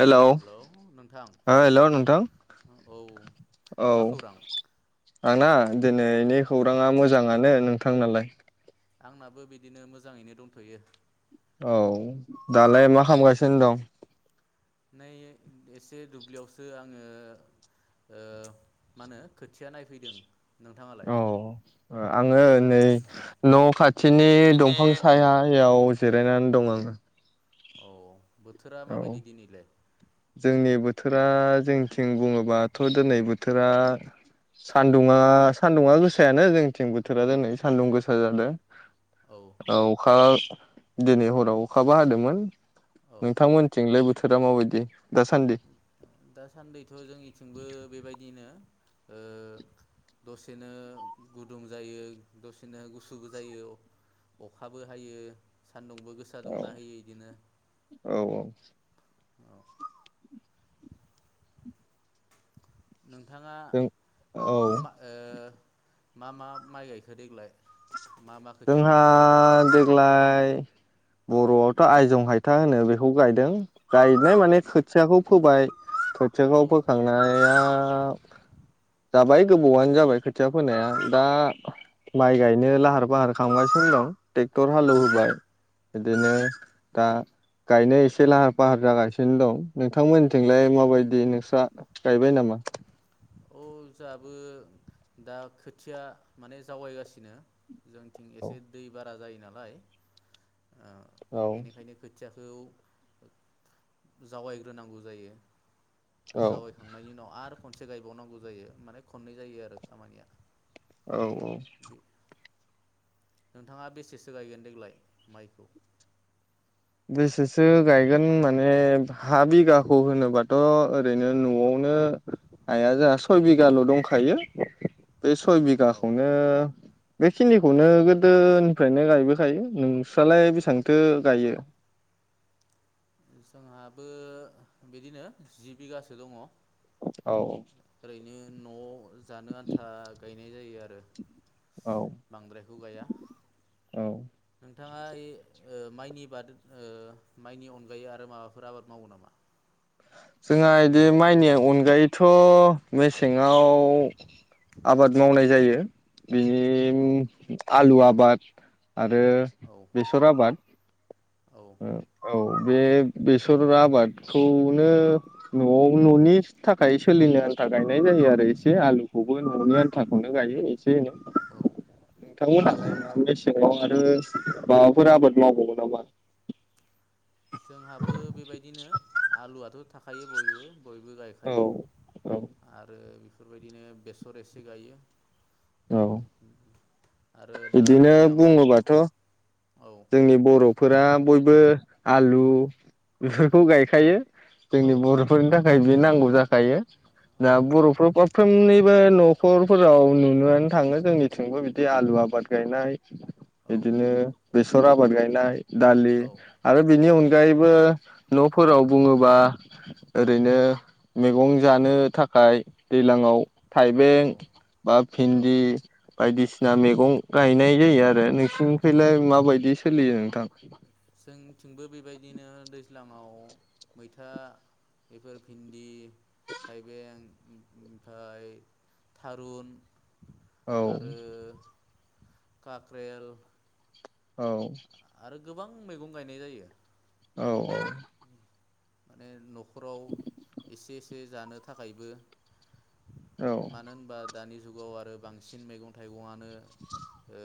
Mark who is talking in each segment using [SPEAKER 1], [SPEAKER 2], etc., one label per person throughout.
[SPEAKER 1] Hello हो hello नोंथां
[SPEAKER 2] औ
[SPEAKER 1] औ
[SPEAKER 2] मा खौरां
[SPEAKER 1] आंना दिनैनि खौराङा मोजाङानो नोंथांनालाय?
[SPEAKER 2] आंनाबो बिदिनो मोजाङैनो दंथ'यो।
[SPEAKER 1] औ दालाय मा
[SPEAKER 2] नों
[SPEAKER 1] खालामगासिनो दं।
[SPEAKER 2] नै एसे दुब्लियावसो आङो मा होनो खोथिया नायफैदों। नोंथाङालाय
[SPEAKER 1] औ आङो नै न' खाथिनि
[SPEAKER 2] दिनै
[SPEAKER 1] दंफां सायहायाव। जिरायनानै दं आङो।
[SPEAKER 2] औ बोथोरा
[SPEAKER 1] औ
[SPEAKER 2] माबायदि दिनैलाय?
[SPEAKER 1] जोंनि बोथोरा जोंथिं बुङोबाथ' दिनै बोथोरा सान्दुङा सान्दुङा गोसायानो जोंनिथिं बोथोरा दिनै सान्दुं गोसा जादों?
[SPEAKER 2] औ
[SPEAKER 1] राव अखा दिनै हराव अखाबो हादोंमोन
[SPEAKER 2] औ
[SPEAKER 1] नोंथांमोनथिंलाय बोथोरा माबायदि दासान्दि
[SPEAKER 2] दासान्दिथ' जोंनिथिंबो बेबायदि बिदिनो दसेनो गुदुं जायो दसेनो गुसुबो जायो अखाबो हायो सान्दुंबो गोसा
[SPEAKER 1] औ
[SPEAKER 2] दुंना होयो बिदिनो
[SPEAKER 1] औ औ
[SPEAKER 2] औ नोंथाङा
[SPEAKER 1] जों औ
[SPEAKER 2] मा ओ मा मा माइ गायखो देग्लाय मा मा खोथिया
[SPEAKER 1] जोंहा
[SPEAKER 2] फोखो
[SPEAKER 1] देग्लाय बर'आवथ' आयजं हायथा होनो बेखौ गायदों गायनाय
[SPEAKER 2] औ
[SPEAKER 1] माने खोथियाखौ फोबाय
[SPEAKER 2] औ
[SPEAKER 1] खोथियाखौ फोखांनाया जाबाय गोबावानो जाबाय खोथिया फोनाया दा माइ गाय गायनो लाहार फाहार खालामगासिनो दं ट्रेक्टर
[SPEAKER 2] औ
[SPEAKER 1] हालेवहोबाय
[SPEAKER 2] औ
[SPEAKER 1] बिदिनो दा गायनो एसे लाहार फाहार जागासिनो दं
[SPEAKER 2] औ
[SPEAKER 1] नोंथांमोननिथिंलाय माबायदि नोंसोर गायबाय नामा
[SPEAKER 2] औ जोंहाबो दा खोथिया माने जावायगासिनो जोंथिं एसे दै बारा जायो नालाय
[SPEAKER 1] औ औ
[SPEAKER 2] बेनिखायनो खोथिया खौ जावायग्रोनांगौ जायो
[SPEAKER 1] औ
[SPEAKER 2] जावायखांनायनि उनाव आरो खनसे गाय बावनांगौ जायो माने खननै जायो आरो खामानिया
[SPEAKER 1] औ औ
[SPEAKER 2] बे नोंथाङा बेसेसो गायगोन देग्लाय माइखौ
[SPEAKER 1] बेसेसो गायगोन माने हा बिगाखौ होनोबाथ' ओरैनो न'आवनो हाया जोंहा सय बिगाल' दंखायो बे सय
[SPEAKER 2] औ
[SPEAKER 1] बिगाखौनो बे खिदिखौनो गोदोनिफ्रायनो गायबोखायो नोंस्रालाय बेसेबांथो गायो
[SPEAKER 2] जोंहाबो बिदिनो जि बिगासो दङ
[SPEAKER 1] औ
[SPEAKER 2] ओरैनो न'आव जानो आन्था गायनो गायनाय जायो आरो
[SPEAKER 1] औ
[SPEAKER 2] बांद्रायखौ गाया
[SPEAKER 1] औ
[SPEAKER 2] नोंथाङा इ ओ माइनि बाद ओ माइनि अनगायै आरो माबाफोर आबाद मावो नामा
[SPEAKER 1] जोंहा इदि माइनि अनगायैथ' मेसेङाव आबाद मावनाय जायो
[SPEAKER 2] औ
[SPEAKER 1] बेनि आलु आबाद आरो
[SPEAKER 2] औ
[SPEAKER 1] बेसर आबाद [inaudible]
[SPEAKER 2] औ
[SPEAKER 1] औ बे बेसर आबादखौनो न'आव न'नि थाखाय सोलिनो आन्था गायनाय जायो आरो एसे आलुखौबो न'नि आन्थाखौनो गायो एसे एनै
[SPEAKER 2] औ औ
[SPEAKER 1] नोंथांमोना
[SPEAKER 2] न'
[SPEAKER 1] [unintelligible] सिङाव माबाफोर आबाद मावबावो नामा
[SPEAKER 2] जोंहाबो बेबायदिनो आलुआथ' थाखायो बयबो बयबो
[SPEAKER 1] औ
[SPEAKER 2] गायखायो
[SPEAKER 1] औ
[SPEAKER 2] आरो बेफोरबायदिनो बेसर एसे गायो औ आरो दा
[SPEAKER 1] बिदिनो
[SPEAKER 2] दैलाङाव
[SPEAKER 1] बुङोबाथ'
[SPEAKER 2] औ
[SPEAKER 1] जोंनि बर'फोरा बयबो आलु बेफोरखौ गायखायो
[SPEAKER 2] औ
[SPEAKER 1] जोंनि बर'फोरनि था थाखाय बे नांगौ जाखायो
[SPEAKER 2] औ
[SPEAKER 1] दा बर'फोर मोफ्रोमनिबो न' नखरफोराव नुनोआनो थाङो जोंनिथिंबो बिदि आलु आबाद गायनाय
[SPEAKER 2] औ
[SPEAKER 1] बिदिनो बेसर आबाद गायनाय दालि
[SPEAKER 2] औ
[SPEAKER 1] आरो बिनि
[SPEAKER 2] औ
[SPEAKER 1] अनगायैबो न'फोराव बुङोबा ओरैनो मैगं जानो थाखाय दैलाङाव थाइबें
[SPEAKER 2] औ
[SPEAKER 1] बा
[SPEAKER 2] औ
[SPEAKER 1] भिन्दि बायदिसिना मैगं गायनाय जायो आरो नोंसिनिखैलाय माबायदि सोलियो नोंथां
[SPEAKER 2] जोंथिंबो बेबायदिनो दैज्लाङाव मैथा बेफोर भिन्दि थाइबें ओमफ्राय थारुन
[SPEAKER 1] औ
[SPEAKER 2] आरो काक्रेल
[SPEAKER 1] औ
[SPEAKER 2] आरो गोबां मैगं गायनाय जायो
[SPEAKER 1] औ औ
[SPEAKER 2] माने न' खराव एसे एसे जानो थाखायबो
[SPEAKER 1] औ
[SPEAKER 2] मानो होनबा दानि जुगाव आरो बांसिन मैगं थाइगंआनो ओ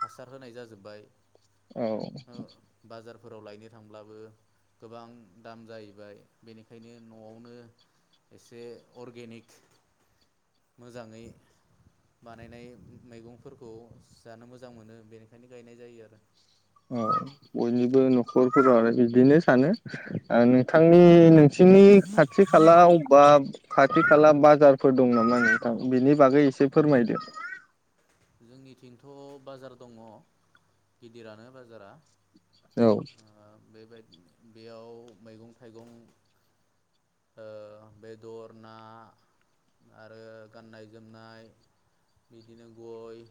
[SPEAKER 2] हासार होनाय जाजोब्बाय
[SPEAKER 1] औ
[SPEAKER 2] फोराव लायनो थांब्लाबो गोबां दाम जाहैबाय बेनिखायनो न'आवनो एसे अरगेनिक मोजाङै बानायनाय मैगंफोरखौ जानो मोजां मोनो बेनिखायनो गायनाय जायो आरो
[SPEAKER 1] औ बयनिबो न'खरफोराव इदिनो सानो नोंथांनि खाथिनि खाथि खाला अबा खाथि खाला बाजारफोर दं नामा नोंथां बिनि बागै एसे फोरमायदो
[SPEAKER 2] जोंनिथिंथ' बाजार दङ गिदिरानो बाजारा
[SPEAKER 1] औ
[SPEAKER 2] बेबाय बेयाव मैगं थाइगं ओ बेदर ना आरो गाननाय जोमनाय बिदिनो गय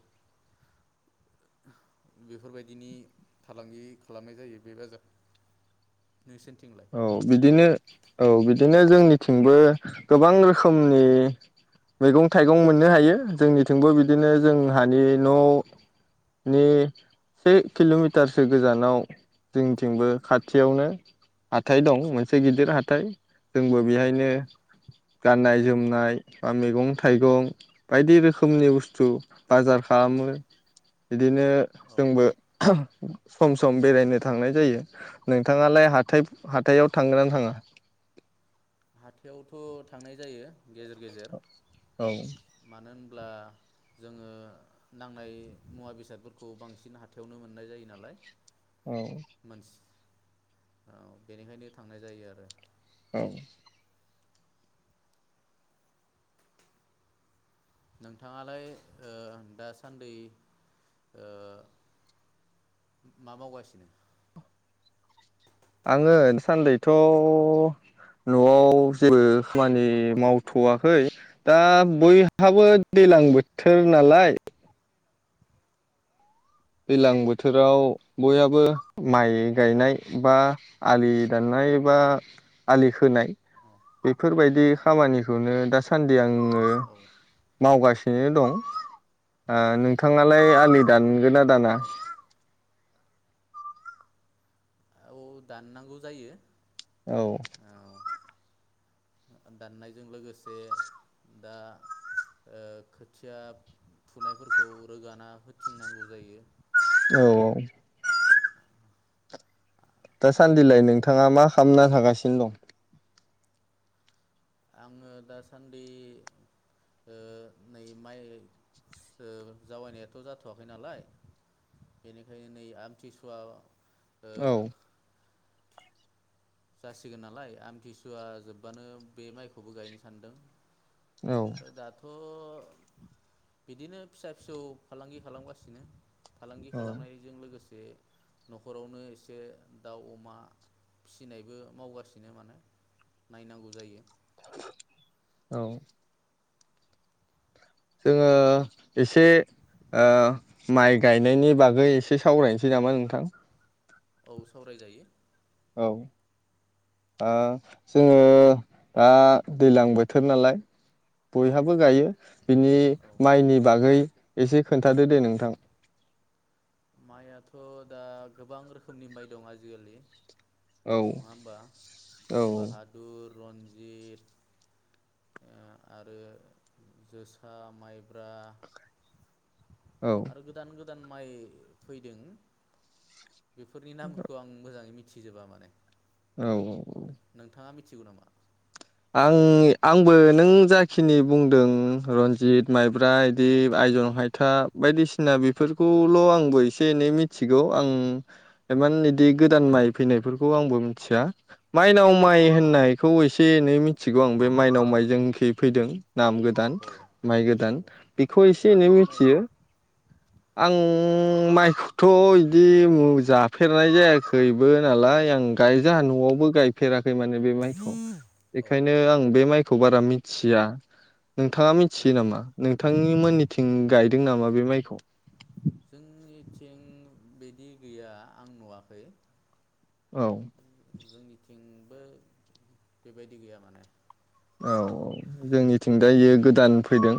[SPEAKER 2] बेफोरबायदिनि फालांगि खालामनाय जायो बे बाजार नोंसोरनिथिंलाय?
[SPEAKER 1] औ बिदिनो औ बिदिनो जोंनिथिंबो गोबां रोखोमनि मैगं थाइगं मोननो हायो जोंनिथिंबो
[SPEAKER 2] औ
[SPEAKER 1] बिदिनो जोंहानि न'नि से किल'मिटारसो गोजानाव जोंनिथिंबो खाथियावनो हाथाइ दं मोनसे गिदिर हाथाइ जोंबो
[SPEAKER 2] औ
[SPEAKER 1] बेहायनो गाननाय जोमनाय बा मैगं थाइगं बायदि रोखोमनि बुस्थु बाजार खालामो बिदिनो
[SPEAKER 2] औ
[SPEAKER 1] जोंबो सम सम बेरायनो थांनाय जायो नोंथाङालाय हाथाय हाथायाव थांगोना थाङा
[SPEAKER 2] हाथायावथ' थांनाय जायो गेजेर गेजेर
[SPEAKER 1] औ
[SPEAKER 2] मानो होन अब्ला जोङो नांनाय मुवा बेसादफोरखौ बांसिन हाथायावनो मोननाय जायो नालाय
[SPEAKER 1] औ
[SPEAKER 2] मोनस औ बेनिखायनो थांनाय जायो आरो
[SPEAKER 1] औ
[SPEAKER 2] नोंथाङालाय ओ दासान्दि ओ मा मावगासिनो
[SPEAKER 1] आङो दासान्दैथ' न'आव जेबो खामानि मावथ'वाखै दा बयहाबो दैज्लां बोथोर नालाय दैलां
[SPEAKER 2] औ
[SPEAKER 1] बोथोराव बयहाबो माइ गायनाय बा आलि दाननाय बा आलि खोनाय
[SPEAKER 2] औ
[SPEAKER 1] बेफोरबायदि खामानिखौनो दासान्दि आङो
[SPEAKER 2] औ
[SPEAKER 1] मावगासिनो दं ओ नोंथाङालाय आलि दानगोन आरो दाना
[SPEAKER 2] औ दाननांगौ जायो
[SPEAKER 1] औ
[SPEAKER 2] औ दाननायजों लोगोसे दा खोथिया ओ फुनायफोरखौ रोगाना होथिंनांगौ जायो
[SPEAKER 1] औ औ दासान्दिलाय नोंथाङा मा खालामना थागासिनो दं
[SPEAKER 2] आङो दासान्दि ओ नै माइ जावैनायाथ' जाथ'वाखै नालाय बेनिखायनो नै आमथिसुवा ओ
[SPEAKER 1] औ
[SPEAKER 2] जासिगोन नालाय आमथिसुवा जोबबानो बे माइखौबो गायनो सानदों
[SPEAKER 1] औ
[SPEAKER 2] थ' बिदिनो फिसा फिसौ फालांगि खालामगासिनो फालांगि
[SPEAKER 1] औ
[SPEAKER 2] खालामनायजों लोगोसे न'खरावनो एसे दाउ अमा फिसि नायबो मावगासिनो माने नायनांगौ जायो
[SPEAKER 1] औ जोङो एसे ओ माइ गायनायनि बागै एसे सावरायनोसै नामा नोंथां
[SPEAKER 2] औ सावरायजायो
[SPEAKER 1] औ ओ जोङो आ दैलां बोथोर नालाय
[SPEAKER 2] औ
[SPEAKER 1] बयहाबो गायो बिनि
[SPEAKER 2] औ
[SPEAKER 1] माइनि बागै एसे खोनथादो दे नोंथां
[SPEAKER 2] माइयाथ' दा गोबां रोखोमनि माइ दं आजिखालि
[SPEAKER 1] औ
[SPEAKER 2] नङा होमबा
[SPEAKER 1] औ
[SPEAKER 2] बाहादुर रनजित ओ आरो जोसा माइब्रा
[SPEAKER 1] औ
[SPEAKER 2] आरो गोदान गो दान माइ फैदों बेफोरनि नामखौ आं मोजाङै मि थिजोबा माने
[SPEAKER 1] औ औ औ
[SPEAKER 2] थिगौ नामा
[SPEAKER 1] आं आंबो नों जाखिनि बुंदों रनजित माइब्रा इदि आइजन हायथा बायदिसिना बेफोरखौल' आंबो एसे एनै मिथिगौ आं एमान बिदि गोदान माइ फैनायफोरखौ आंबो मिथिया माइनाव
[SPEAKER 2] औ
[SPEAKER 1] माइ होननायखौ एसे नै मिथिगौ आं बे माइनाव माइ जोंखि फैदों नाम गोदान
[SPEAKER 2] औ
[SPEAKER 1] माइ
[SPEAKER 2] औ
[SPEAKER 1] गोदान बेखौ एसे एनै
[SPEAKER 2] माबायदि माइयो
[SPEAKER 1] मिथियो आं
[SPEAKER 2] औ
[SPEAKER 1] माइखौ थ' इदि जाफेरनाय जायाखैबो नालाय आं गायो जोंहा
[SPEAKER 2] औ
[SPEAKER 1] न'आवबो गाय फेरा खै माने बे माइखौ
[SPEAKER 2] औ
[SPEAKER 1] बेखायनो आं बे माइखौ बारा मिथिया नोंथाङा
[SPEAKER 2] औ
[SPEAKER 1] मिथियो नामा नों थांनि मोननिथिं गायदों नामा बे माइखौ
[SPEAKER 2] जोंनिथिं बिदि गैया आं नुवाखै
[SPEAKER 1] औ
[SPEAKER 2] बो बेबायदि गैया माने
[SPEAKER 1] औ औ जोंनिथिं दा इयो गोदान फैदों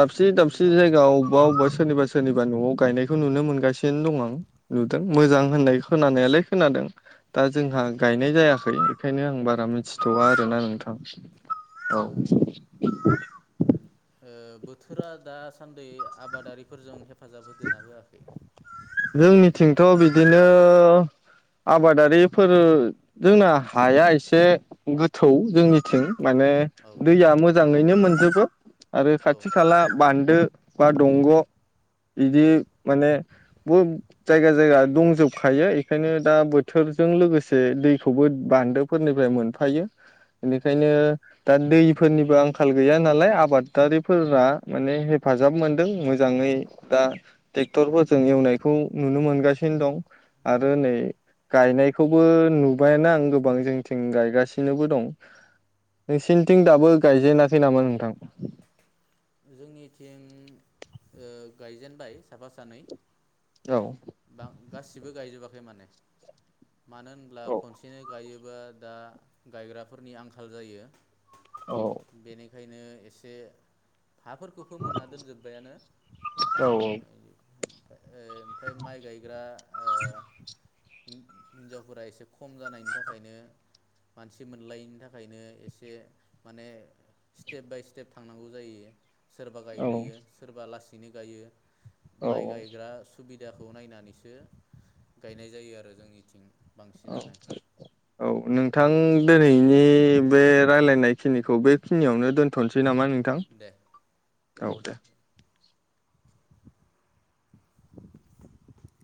[SPEAKER 1] दाबसे दाबसे
[SPEAKER 2] नोंथां
[SPEAKER 1] जायगा अबेबा अबेबा सोरनिबा सोरनिबा न'आव गायनायखौ नुनो मोनगासिनो दं आं नुदों
[SPEAKER 2] औ
[SPEAKER 1] मोजां होननायखौ खोनानायालाय खोनादों दा
[SPEAKER 2] औ
[SPEAKER 1] जोंहा गायनाय जायाखै ओंखायनो आं बारा मिथिथ'वा आरोना नोंथां औ
[SPEAKER 2] बोथोरा दासान्दि आबादारिफोरजों हे हेफाजाब होदोना होआखै
[SPEAKER 1] जोंनिथिंथ' बिदिनो आबादारिफोर जोंना हाया एसे गोथौ जोंनिथिं माने
[SPEAKER 2] औ
[SPEAKER 1] दैया मोजाङैनो मोनजोब [inaudible] आरो खाथि खाला बान्दो बा दंग' बिदि
[SPEAKER 2] औ
[SPEAKER 1] माने जायगा जायगा दंजोबखायो एखायनो दा बोथोरजों लोगोसे दैखौबो बान्दोफोरनिफ्राय मोनफायो बेनिखायनो दा दैफोरनिबो आंखाल गैया नालाय आबादारिफोरा माने हेफाजाब मोनदों मोजाङै दा ट्रेक्टरफोरजों एवनाय खौ नुनो मोनगासिनो दं आरो
[SPEAKER 2] औ
[SPEAKER 1] नै गायनायखौबो नुबायना आं गोबां जोंथिं गायगासिनोबो दं
[SPEAKER 2] औ
[SPEAKER 1] नोंसिनिथिं दाबो गायजेनासै नामा नोंथां
[SPEAKER 2] जोंनि ओ गायजेनबाय साफा सानै
[SPEAKER 1] औ
[SPEAKER 2] बा गासिबो गायजोबाखै माने मानो होनब्ला
[SPEAKER 1] औ
[SPEAKER 2] खनसेनो गायो बा दा गायग्राफोरनि आंखाल जायो
[SPEAKER 1] औ
[SPEAKER 2] ओंखायनो एसे हाफोरखौ फोमोनना दोनजोब्बायानो ओमफाय माइ ओ गायग्रा हिन्जावफोरा एसे खम जानायनि थाखायनो मानसि मोनलायैनि थाखायनो एसे माने स्टेप बाय स्टेप थांनांगौ जायो सोरबा
[SPEAKER 1] औ
[SPEAKER 2] गायग्रोयो सोरबा लास बिनो गायो
[SPEAKER 1] औ
[SPEAKER 2] माइ गायग्रा सुबिदा देहाखौ नायनानैसो गायनाय जायो आरो जोंनिथिं बांसिनानो
[SPEAKER 1] औ औ नोंथां
[SPEAKER 2] न'
[SPEAKER 1] दोनैनि बे रायलायनायखिनिखौ बेखिनियावनो दोनथ'नोसै फै नामा नोंथां
[SPEAKER 2] दे
[SPEAKER 1] औ दे